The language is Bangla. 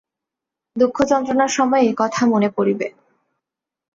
দুঃখযন্ত্রণার সময় একথা মনে পড়িবে।